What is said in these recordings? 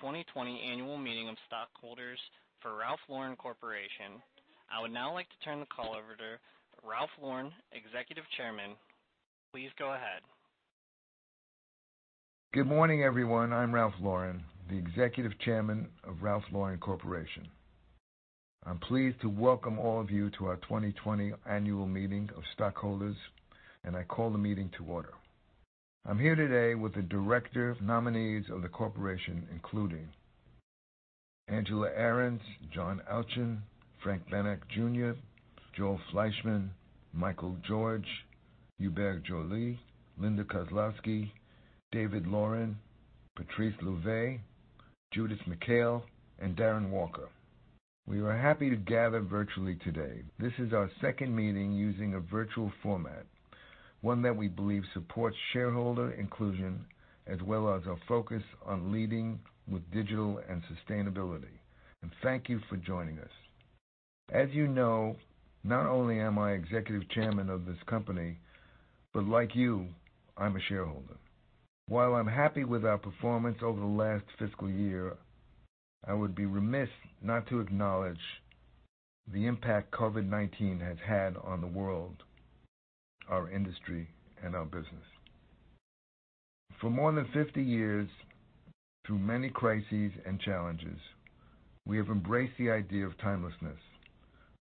Good morning, welcome to the 2020 Annual Meeting of Stockholders for Ralph Lauren Corporation. I would now like to turn the call over to Ralph Lauren, Executive Chairman. Please go ahead. Good morning, everyone. I'm Ralph Lauren, the Executive Chairman of Ralph Lauren Corporation. I'm pleased to welcome all of you to our 2020 Annual Meeting of Stockholders, and I call the meeting to order. I'm here today with the director nominees of the corporation, including Angela Ahrendts, John Alchin, Frank Bennack Jr., Joel Fleishman, Michael George, Hubert Joly, Linda Kozlowski, David Lauren, Patrice Louvet, Judith McHale, and Darren Walker. We are happy to gather virtually today. This is our second meeting using a virtual format, one that we believe supports shareholder inclusion as well as our focus on leading with digital and sustainability. Thank you for joining us. As you know, not only am I Executive Chairman of this company, but like you, I'm a shareholder. While I'm happy with our performance over the last fiscal year, I would be remiss not to acknowledge the impact COVID-19 has had on the world, our industry, and our business. For more than 50 years, through many crises and challenges, we have embraced the idea of timelessness,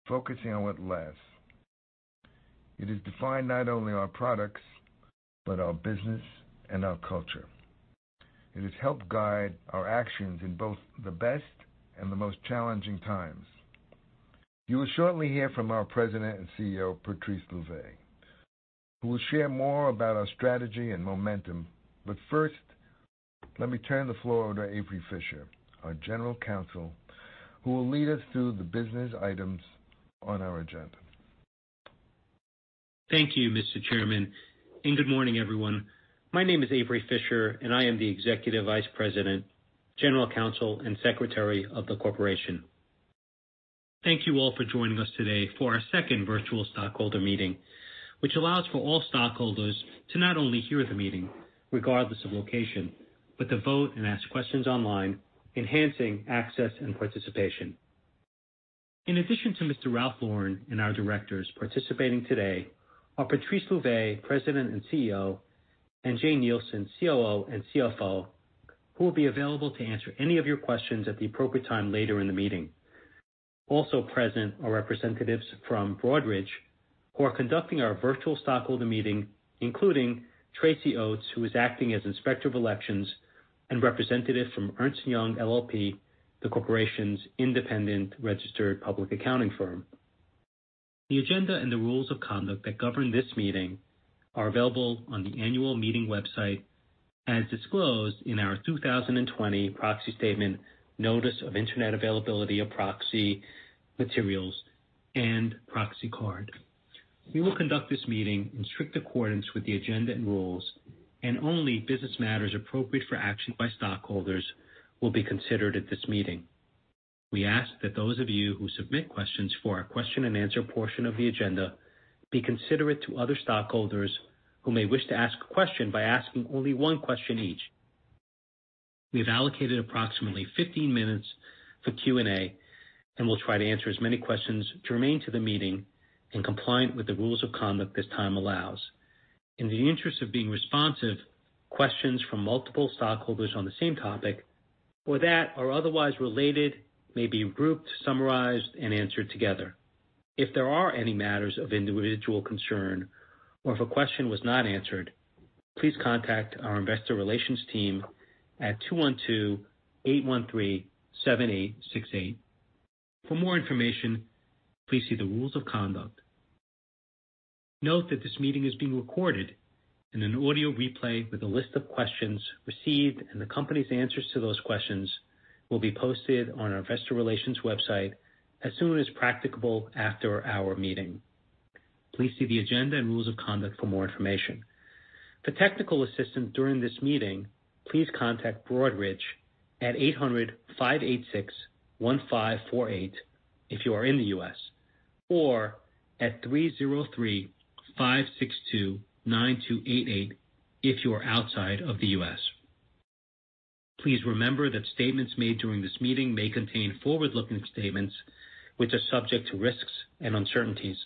focusing on what lasts. It has defined not only our products, but our business and our culture. It has helped guide our actions in both the best and the most challenging times. You will shortly hear from our President and CEO, Patrice Louvet, who will share more about our strategy and momentum. First, let me turn the floor over to Avery Fischer, our General Counsel, who will lead us through the business items on our agenda. Thank you, Mr. Chairman. Good morning, everyone. My name is Avery Fischer, and I am the Executive Vice President, General Counsel, and Secretary of the Corporation. Thank you all for joining us today for our second virtual stockholder meeting, which allows for all stockholders to not only hear the meeting, regardless of location, but to vote and ask questions online, enhancing access and participation. In addition to Mr. Ralph Lauren and our directors participating today are Patrice Louvet, President and CEO, and Jane Nielsen, COO and CFO, who will be available to answer any of your questions at the appropriate time later in the meeting. Also present are representatives from Broadridge, who are conducting our virtual stockholder meeting, including Tracy Oates, who is acting as Inspector of Elections, and representatives from Ernst & Young LLP, the Corporation's independent registered public accounting firm. The agenda and the rules of conduct that govern this meeting are available on the annual meeting website as disclosed in our 2020 proxy statement notice of internet availability of proxy materials and proxy card. We will conduct this meeting in strict accordance with the agenda and rules, and only business matters appropriate for action by stockholders will be considered at this meeting. We ask that those of you who submit questions for our question and answer portion of the agenda be considerate to other stockholders who may wish to ask a question by asking only one question each. We have allocated approximately 15 minutes for Q&A and will try to answer as many questions germane to the meeting and compliant with the rules of conduct as time allows. In the interest of being responsive, questions from multiple stockholders on the same topic, or that are otherwise related, may be grouped, summarized, and answered together. If there are any matters of individual concern or if a question was not answered, please contact our investor relations team at 212-813-7868. For more information, please see the rules of conduct. Note that this meeting is being recorded, and an audio replay with a list of questions received and the company's answers to those questions will be posted on our investor relations website as soon as practicable after our meeting. Please see the agenda and rules of conduct for more information. For technical assistance during this meeting, please contact Broadridge at 800-586-1548 if you are in the U.S., or at 303-562-9288 if you are outside of the U.S. Please remember that statements made during this meeting may contain forward-looking statements which are subject to risks and uncertainties.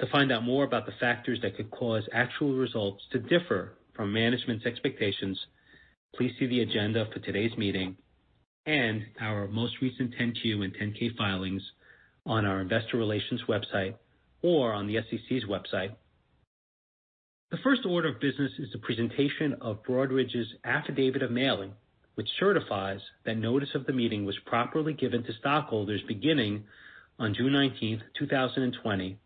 To find out more about the factors that could cause actual results to differ from management's expectations, please see the agenda for today's meeting and our most recent 10-Q and 10-K filings on our investor relations website or on the SEC's website. The first order of business is the presentation of Broadridge's Affidavit of Mailing, which certifies that notice of the meeting was properly given to stockholders beginning on June 19th, 2020,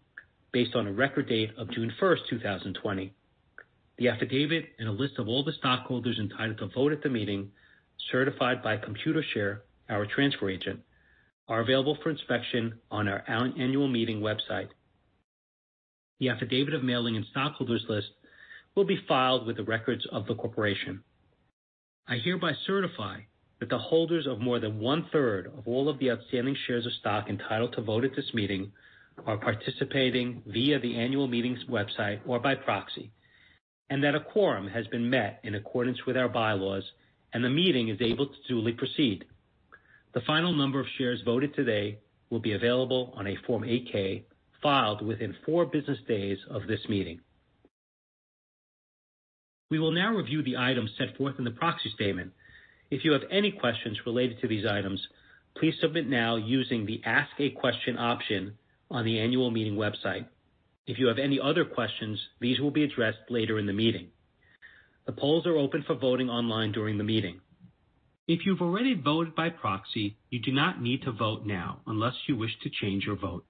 based on a record date of June 1st, 2020. The affidavit and a list of all the stockholders entitled to vote at the meeting, certified by Computershare, our transfer agent, are available for inspection on our annual meeting website. The Affidavit of Mailing and stockholders list will be filed with the records of the corporation. I hereby certify that the holders of more than one-third of all of the outstanding shares of stock entitled to vote at this meeting are participating via the annual meeting's website or by proxy, and that a quorum has been met in accordance with our bylaws and the meeting is able to duly proceed. The final number of shares voted today will be available on a Form 8-K filed within four business days of this meeting. We will now review the items set forth in the proxy statement. If you have any questions related to these items, please submit now using the Ask a Question option on the annual meeting website. If you have any other questions, these will be addressed later in the meeting. The polls are open for voting online during the meeting. If you've already voted by proxy, you do not need to vote now unless you wish to change your vote.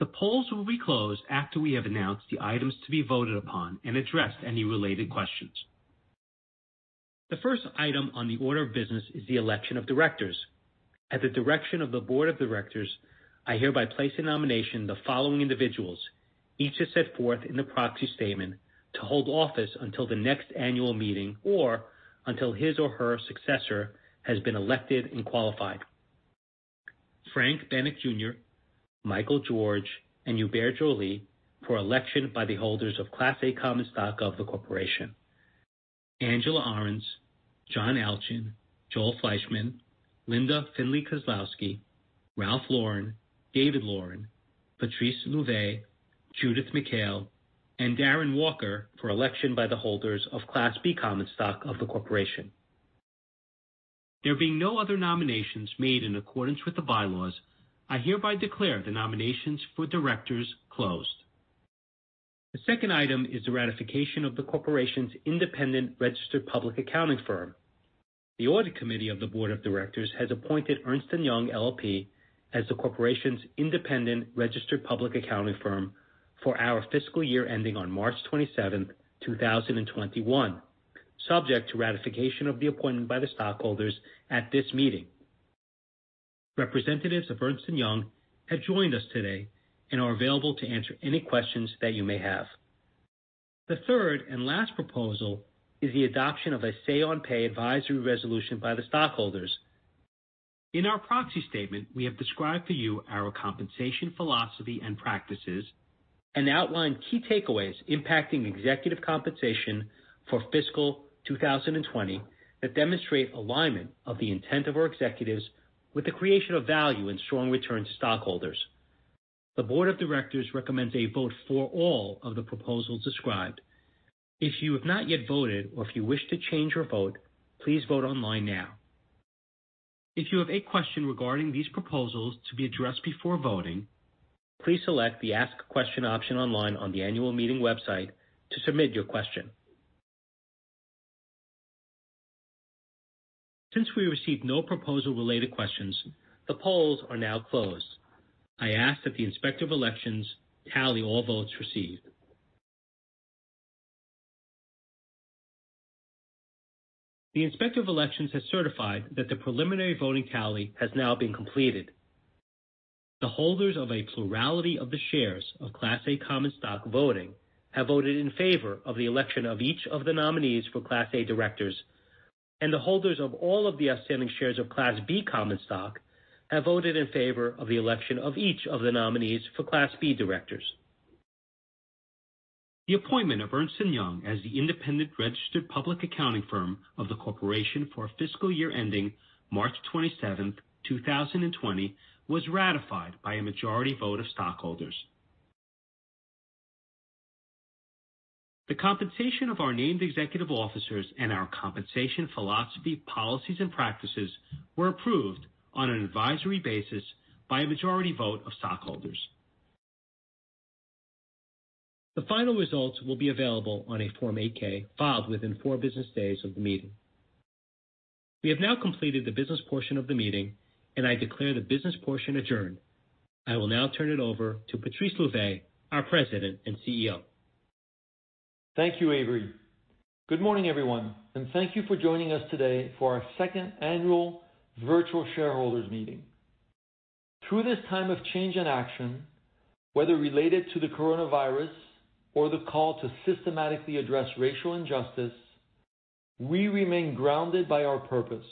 The polls will be closed after we have announced the items to be voted upon and addressed any related questions. The first item on the order of business is the election of directors. At the direction of the Board of Directors, I hereby place in nomination the following individuals, each as set forth in the proxy statement, to hold office until the next annual meeting or until his or her successor has been elected and qualified. Frank Bennack Jr., Michael George, and Hubert Joly for election by the holders of Class A common stock of the corporation. Angela Ahrendts, John Alchin, Joel Fleishman, Linda Findley Kozlowski, Ralph Lauren, David Lauren, Patrice Louvet, Judith McHale, and Darren Walker for election by the holders of Class B common stock of the corporation. There being no other nominations made in accordance with the bylaws, I hereby declare the nominations for directors closed. The second item is the ratification of the corporation's independent registered public accounting firm. The Audit Committee of the Board of Directors has appointed Ernst & Young LLP as the corporation's independent registered public accounting firm for our fiscal year ending on March 27th, 2021, subject to ratification of the appointment by the stockholders at this meeting. Representatives of Ernst & Young have joined us today and are available to answer any questions that you may have. The third and last proposal is the adoption of a say on pay advisory resolution by the stockholders. In our proxy statement, we have described for you our compensation philosophy and practices and outlined key takeaways impacting executive compensation for fiscal 2020 that demonstrate alignment of the intent of our executives with the creation of value and strong return to stockholders. The board of directors recommends a vote for all of the proposals described. If you have not yet voted or if you wish to change your vote, please vote online now. If you have a question regarding these proposals to be addressed before voting, please select the Ask a Question option online on the annual meeting website to submit your question. Since we received no proposal-related questions, the polls are now closed. I ask that the Inspector of Elections tally all votes received. The Inspector of Elections has certified that the preliminary voting tally has now been completed. The holders of a plurality of the shares of Class A common stock voting have voted in favor of the election of each of the nominees for Class A directors, and the holders of all of the outstanding shares of Class B common stock have voted in favor of the election of each of the nominees for Class B directors. The appointment of Ernst & Young as the independent registered public accounting firm of the corporation for fiscal year ending March 27th, 2020, was ratified by a majority vote of stockholders. The compensation of our named executive officers and our compensation philosophy, policies, and practices were approved on an an advisory basis by a majority vote of stockholders. The final results will be available on a Form 8-K filed within four business days of the meeting. We have now completed the business portion of the meeting, and I declare the business portion adjourned. I will now turn it over to Patrice Louvet, our President and CEO. Thank you, Avery. Good morning, everyone, and thank you for joining us today for our second annual virtual shareholders' meeting. Through this time of change and action, whether related to the coronavirus or the call to systematically address racial injustice, we remain grounded by our purpose: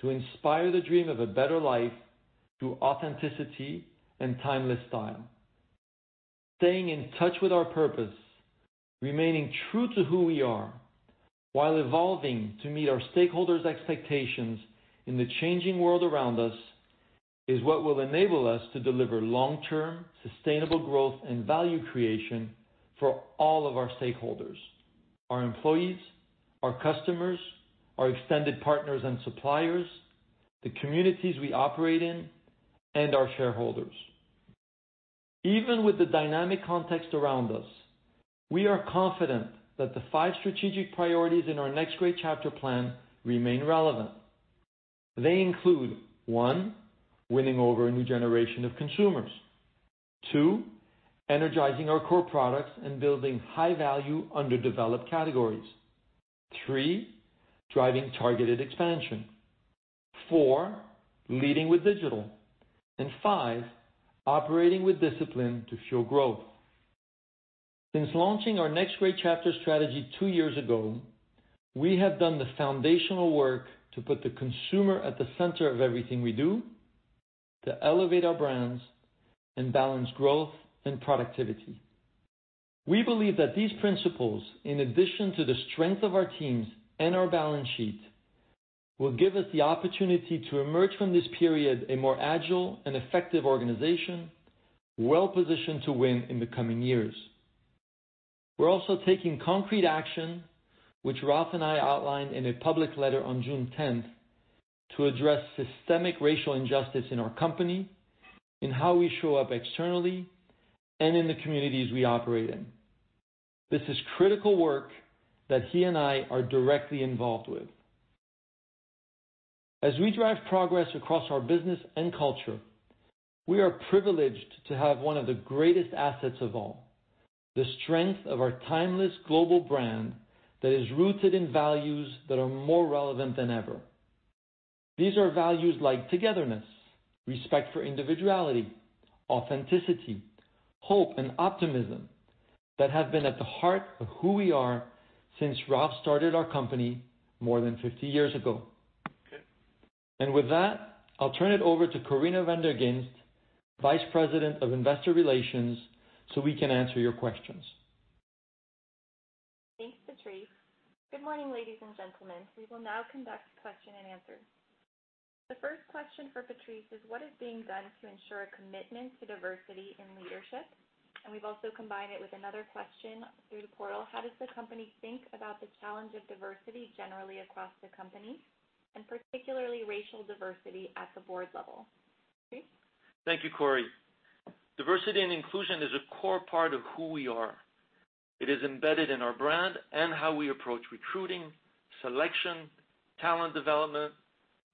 to inspire the dream of a better life through authenticity and timeless style. Staying in touch with our purpose, remaining true to who we are, while evolving to meet our stakeholders' expectations in the changing world around us, is what will enable us to deliver long-term sustainable growth and value creation for all of our stakeholders, our employees, our customers, our extended partners and suppliers, the communities we operate in, and our shareholders. Even with the dynamic context around us, we are confident that the five strategic priorities in our Next Great Chapter plan remain relevant. They include, one, winning over a new generation of consumers. two, energizing our core products and building high-value underdeveloped categories. three, driving targeted expansion. four, leading with digital. five, operating with discipline to show growth. Since launching our Next Great Chapter strategy two years ago, we have done the foundational work to put the consumer at the center of everything we do, to elevate our brands, and balance growth and productivity. We believe that these principles, in addition to the strength of our teams and our balance sheet, will give us the opportunity to emerge from this period a more agile and effective organization, well-positioned to win in the coming years. We're also taking concrete action, which Ralph and I outlined in a public letter on June 10th, to address systemic racial injustice in our company, in how we show up externally, and in the communities we operate in. This is critical work that he and I are directly involved with. As we drive progress across our business and culture, we are privileged to have one of the greatest assets of all, the strength of our timeless global brand that is rooted in values that are more relevant than ever. These are values like togetherness, respect for individuality, authenticity, hope, and optimism that have been at the heart of who we are since Ralph started our company more than 50 years ago. With that, I'll turn it over to Corinna Van der Ghinst, Vice President of Investor Relations, so we can answer your questions. Thanks, Patrice. Good morning, ladies and gentlemen. We will now conduct question and answer. The first question for Patrice is, "What is being done to ensure a commitment to diversity in leadership?" We've also combined it with another question through the portal, "How does the company think about the challenge of diversity generally across the company, and particularly racial diversity at the board level?" Patrice? Thank you, Corie. Diversity and inclusion is a core part of who we are. It is embedded in our brand and how we approach recruiting, selection, talent development,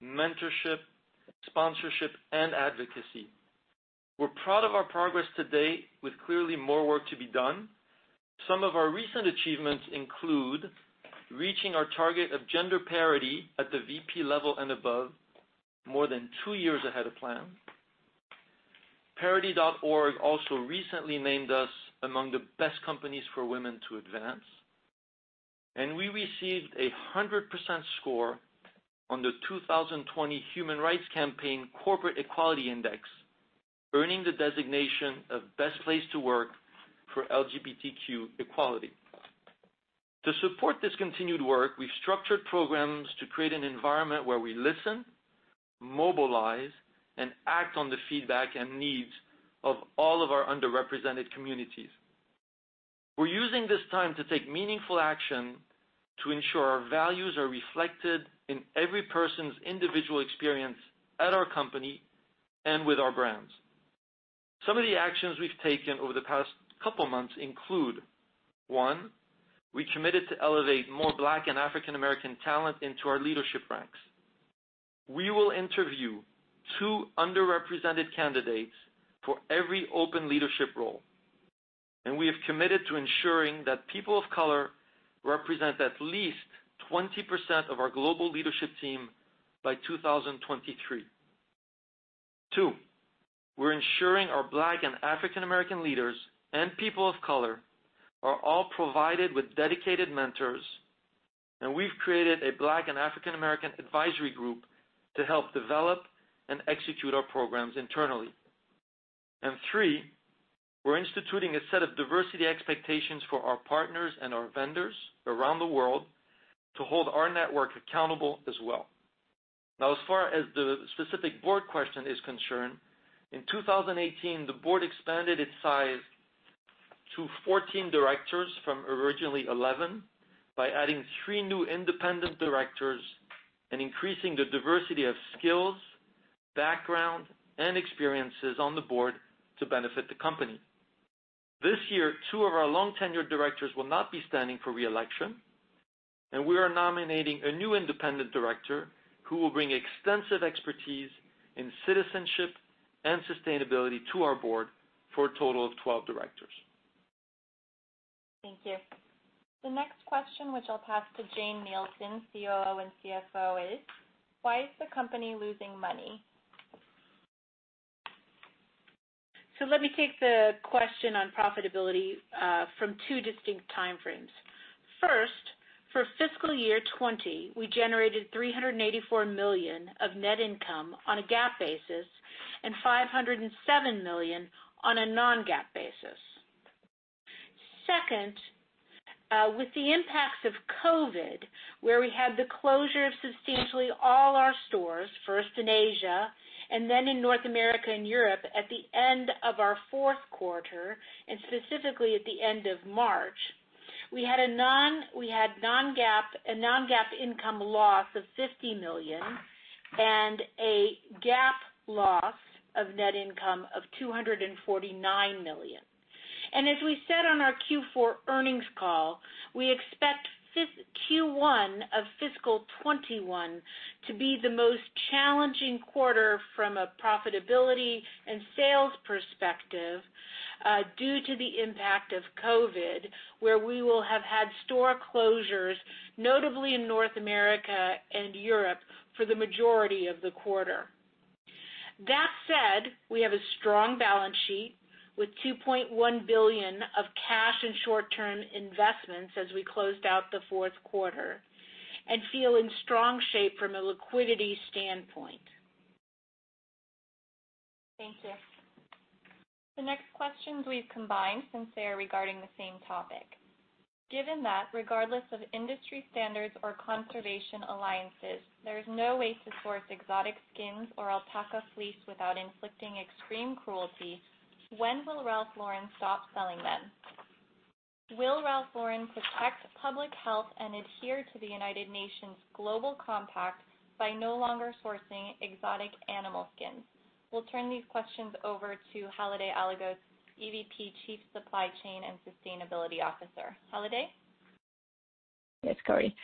mentorship, sponsorship, and advocacy. We're proud of our progress to date, with clearly more work to be done. Some of our recent achievements include reaching our target of gender parity at the VP level and above more than two years ahead of plan. Parity.org also recently named us among the Best Companies for Women to Advance. We received a 100% score on the 2020 Human Rights Campaign Corporate Equality Index, earning the designation of Best Place to Work for LGBTQ Equality. To support this continued work, we've structured programs to create an environment where we listen, mobilize, and act on the feedback and needs of all of our underrepresented communities. We're using this time to take meaningful action to ensure our values are reflected in every person's individual experience at our company and with our brands. Some of the actions we've taken over the past couple of months include, one, we committed to elevate more Black and African American talent into our leadership ranks. We will interview two underrepresented candidates for every open leadership role, and we have committed to ensuring that people of color represent at least 20% of our global leadership team by 2023. Two, we're ensuring our Black and African American leaders and people of color are all provided with dedicated mentors, and we've created a Black and African American advisory group to help develop and execute our programs internally. Three, we're instituting a set of diversity expectations for our partners and our vendors around the world to hold our network accountable as well. As far as the specific board question is concerned, in 2018, the board expanded its size to 14 directors from originally 11 by adding three new independent directors and increasing the diversity of skills, background, and experiences on the board to benefit the company. This year, two of our long-tenured directors will not be standing for re-election, and we are nominating a new independent director who will bring extensive expertise in citizenship and sustainability to our board for a total of 12 directors. Thank you. The next question, which I'll pass to Jane Nielsen, COO and CFO is, "Why is the company losing money? Let me take the question on profitability from two distinct time frames. First, for fiscal year 2020, we generated $384 million of net income on a GAAP basis and $507 million on a non-GAAP basis. Second, with the impacts of COVID, where we had the closure of substantially all our stores, first in Asia, and then in North America and Europe at the end of our fourth quarter, and specifically at the end of March, we had a non-GAAP income loss of $50 million and a GAAP loss of net income of $249 million. As we said on our Q4 earnings call, we expect Q1 of fiscal 2021 to be the most challenging quarter from a profitability and sales perspective due to the impact of COVID, where we will have had store closures, notably in North America and Europe for the majority of the quarter. That said, we have a strong balance sheet with $2.1 billion of cash and short-term investments as we closed out the fourth quarter and feel in strong shape from a liquidity standpoint. Thank you. The next questions we've combined since they are regarding the same topic. Given that regardless of industry standards or conservation alliances, there is no way to source exotic skins or alpaca fleece without inflicting extreme cruelty, when will Ralph Lauren stop selling them? Will Ralph Lauren protect public health and adhere to the United Nations Global Compact by no longer sourcing exotic animal skins? We'll turn these questions over to Halide Alagöz, EVP, Chief Supply Chain and Sustainability Officer. Halide? Yes, Corie.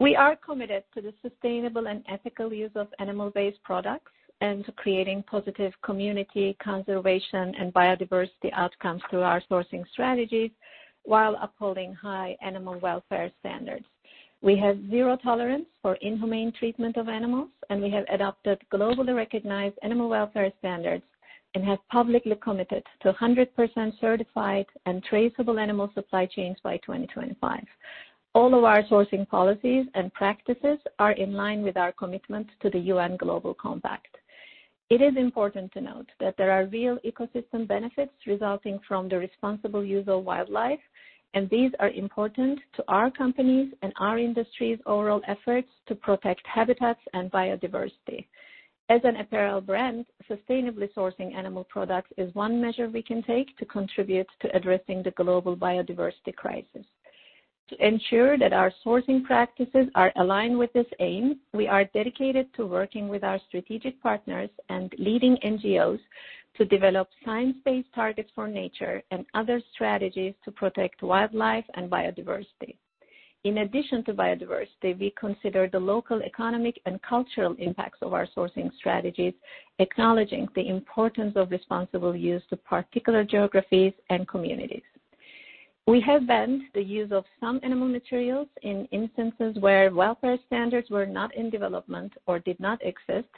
We are committed to the sustainable and ethical use of animal-based products and to creating positive community conservation and biodiversity outcomes through our sourcing strategies while upholding high animal welfare standards. We have zero tolerance for inhumane treatment of animals, and we have adopted globally recognized animal welfare standards and have publicly committed to 100% certified and traceable animal supply chains by 2025. All of our sourcing policies and practices are in line with our commitment to the UN Global Compact. It is important to note that there are real ecosystem benefits resulting from the responsible use of wildlife, and these are important to our companies and our industry's overall efforts to protect habitats and biodiversity. As an apparel brand, sustainably sourcing animal products is one measure we can take to contribute to addressing the global biodiversity crisis. To ensure that our sourcing practices are aligned with this aim, we are dedicated to working with our strategic partners and leading NGOs to develop science-based targets for nature and other strategies to protect wildlife and biodiversity. In addition to biodiversity, we consider the local economic and cultural impacts of our sourcing strategies, acknowledging the importance of responsible use to particular geographies and communities. We have banned the use of some animal materials in instances where welfare standards were not in development or did not exist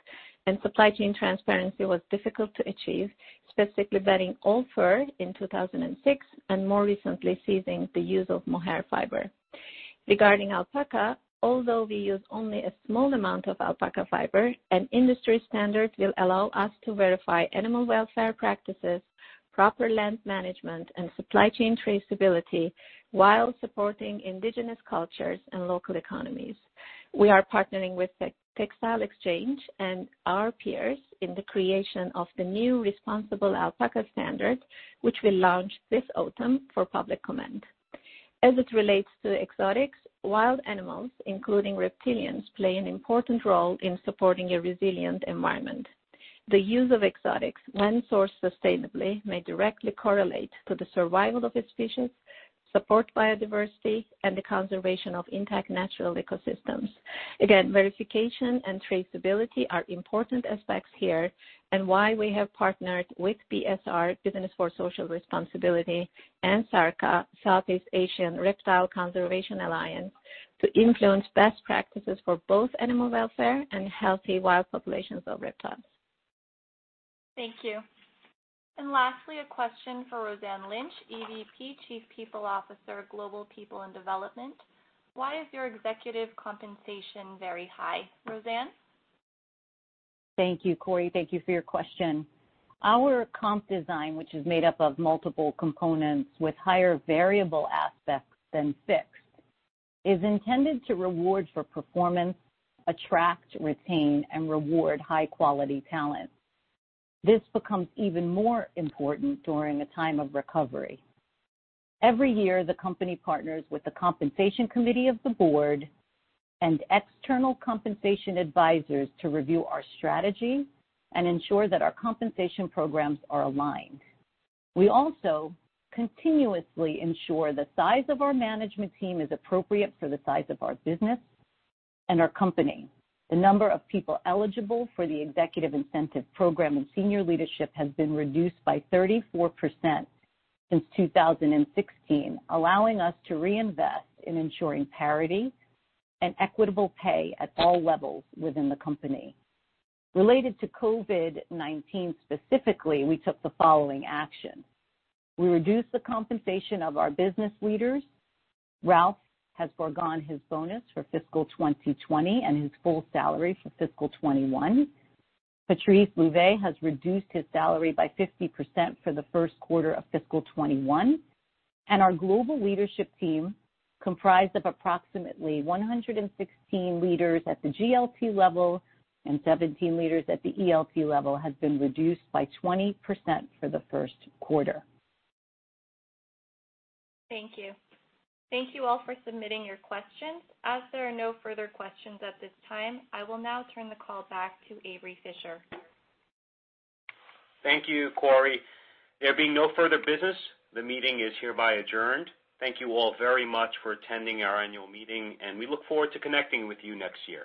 and supply chain transparency was difficult to achieve, specifically banning all fur in 2006 and more recently ceasing the use of mohair fiber. Regarding alpaca, although we use only a small amount of alpaca fiber, an industry standard will allow us to verify animal welfare practices, proper land management, and supply chain traceability while supporting indigenous cultures and local economies. We are partnering with Textile Exchange and our peers in the creation of the new Responsible Alpaca Standard, which will launch this autumn for public comment. As it relates to exotics, wild animals, including reptilians, play an important role in supporting a resilient environment. The use of exotics, when sourced sustainably, may directly correlate to the survival of a species, support biodiversity, and the conservation of intact natural ecosystems. Again, verification and traceability are important aspects here and why we have partnered with BSR, Business for Social Responsibility, and SARCA, Southeast Asian Reptile Conservation Alliance, to influence best practices for both animal welfare and healthy wild populations of reptiles. Thank you. Lastly, a question for Roseann Lynch, EVP, Chief People Officer, Global People and Development. Why is your executive compensation very high, Roseann? Thank you, Corie. Thank you for your question. Our comp design, which is made up of multiple components with higher variable aspects than fixed, is intended to reward for performance, attract, retain, and reward high-quality talent. This becomes even more important during a time of recovery. Every year, the company partners with the Compensation Committee of the Board and external compensation advisors to review our strategy and ensure that our compensation programs are aligned. We also continuously ensure the size of our management team is appropriate for the size of our business and our company. The number of people eligible for the executive incentive program and senior leadership has been reduced by 34% since 2016, allowing us to reinvest in ensuring parity and equitable pay at all levels within the company. Related to COVID-19 specifically, we took the following action. We reduced the compensation of our business leaders. Ralph has forgone his bonus for fiscal 2020 and his full salary for fiscal 2021. Patrice Louvet has reduced his salary by 50% for the first quarter of fiscal 2021. Our global leadership team, comprised of approximately 116 leaders at the GLT level and 17 leaders at the ELT level, has been reduced by 20% for the first quarter. Thank you. Thank you all for submitting your questions. As there are no further questions at this time, I will now turn the call back to Avery Fischer. Thank you, Corie. There being no further business, the meeting is hereby adjourned. Thank you all very much for attending our annual meeting, and we look forward to connecting with you next year.